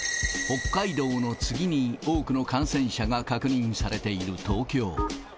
北海道の次に多くの感染者が確認されている東京。